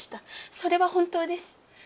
それは本当です。